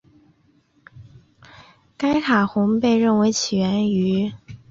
该卡洪被认为起源于秘鲁。